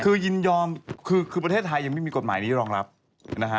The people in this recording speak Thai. คือยินยอมคือคือประเทศไทยยังไม่มีกฎหมายนี้รองรับนะฮะ